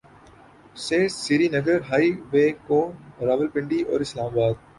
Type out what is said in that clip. سے Srinagar highway کو راولپنڈی اور اسلام آباد